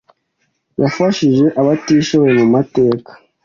yafashije abatishoboye mu mateka